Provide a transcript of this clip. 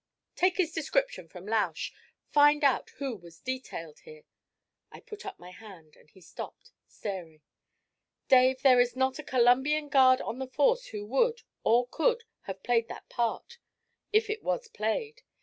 'Take his description from Lausch find out who was detailed here ' I put up my hand, and he stopped staring. 'Dave, there is not a Columbian guard on the force who would, or could, have played that part if it was played.